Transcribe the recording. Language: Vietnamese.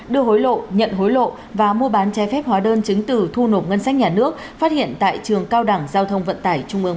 đưa hối lộ nhận hối lộ và mua bán trái phép hóa đơn chứng từ thu nộp ngân sách nhà nước phát hiện tại trường cao đảng giao thông vận tải trung ương